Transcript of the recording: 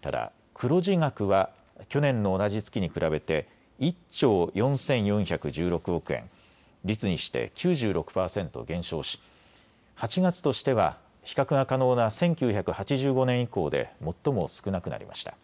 ただ黒字額は去年の同じ月に比べて１兆４４１６億円、率にして９６％減少し８月としては比較が可能な１９８５年以降で最も少なくなりました。